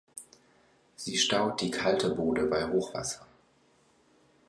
Sie staut die Kalte Bode bei Hochwasser.